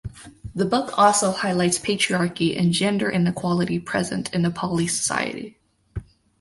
The book also highlights patriarchy and gender inequality present in Nepali society.